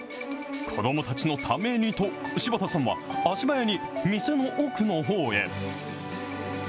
子どもたちのためにと、柴田さんは足早に、店の奥のほうへ。